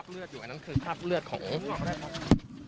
รอเราให้การรับสารภาพหรือปฏิเสธครับพี่